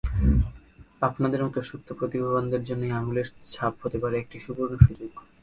আপনাদের মতো সুপ্ত প্রতিভাবানদের জন্যই আঙুলের ছাপ হতে পারে একটি সুবর্ণ সুযোগ।